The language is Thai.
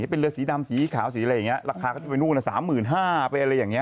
เป็นเรือสีดำสีขาวสีอะไรอย่างนี้ราคาก็จะไปนู่น๓๕๐๐ไปอะไรอย่างนี้